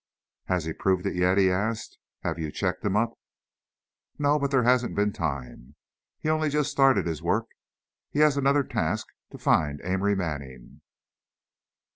"Has he proved it yet?" he asked; "have you checked him up?" "No, but there hasn't been time. He's only just started his work. He has another task; to find Amory Manning."